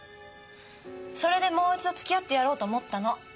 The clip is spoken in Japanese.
それでもう一度付き合ってやろうと思ったの。